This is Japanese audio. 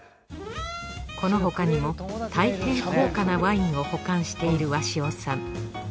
この他にもたいへん高価なワインを保管している鷲尾さん。